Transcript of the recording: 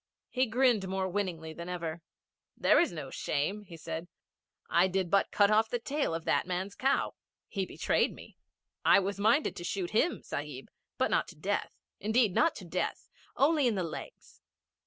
He grinned more winningly than ever. 'There is no shame,' said he. 'I did but cut off the tail of that man's cow. He betrayed me. I was minded to shoot him, Sahib. But not to death. Indeed not to death. Only in the legs.'